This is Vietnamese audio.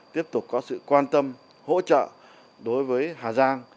tiếp tục có sự quan tâm hỗ trợ đối với hà giang